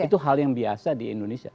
itu hal yang biasa di indonesia